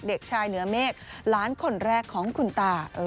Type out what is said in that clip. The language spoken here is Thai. เด็กชายเหนือเมฆหลานคนแรกของคุณตา